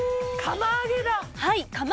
釜揚げか！